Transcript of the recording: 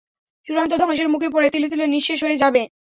চূড়ান্ত ধ্বংসের মুখে পড়ে তিলে তিলে নিঃশেষ হয়ে যাবে।